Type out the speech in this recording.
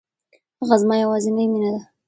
هغه زما يوازينی مینه وه.